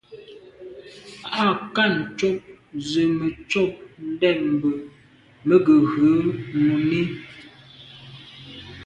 Â kɑ̂nə̄ ncóp zə mə̄ côb ndɛ̂mbə̄ mə̄ gə̀ rə̌ mùní.